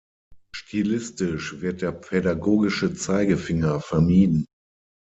Stilistisch wird der "pädagogische Zeigefinger" vermieden.